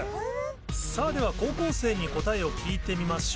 さぁでは高校生に答えを聞いてみましょう。